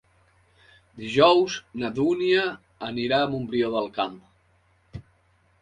Dijous na Dúnia anirà a Montbrió del Camp.